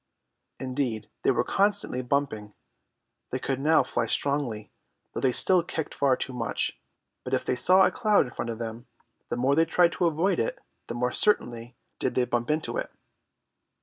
Indeed they were constantly bumping. They could now fly strongly, though they still kicked far too much; but if they saw a cloud in front of them, the more they tried to avoid it, the more certainly did they bump into it.